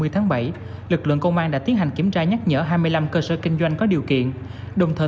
tháng bảy lực lượng công an đã tiến hành kiểm tra nhắc nhở hai mươi năm cơ sở kinh doanh có điều kiện đồng thờ